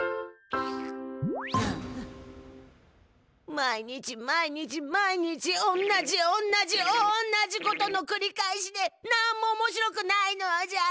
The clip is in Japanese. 毎日毎日毎日おんなじおんなじおんなじことのくり返しでなんもおもしろくないのじゃ！